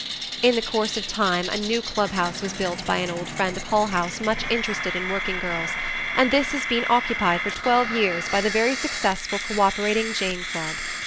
In the course of time a new clubhouse was built by an old friend of Hull House much interested in working girls, and this has been occupied for twelve years by the very successful cooperating Jane Club.